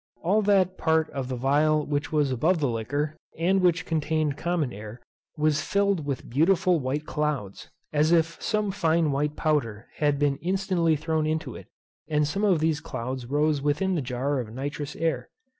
All that part of the phial which was above the liquor, and which contained common air, was filled with beautiful white clouds, as if some fine white powder had been instantly thrown into it, and some of these clouds rose within the jar of nitrous air.